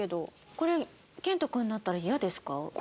これ遣都君だったら嫌ですか？